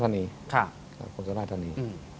ผมเป็นคนสุระทันี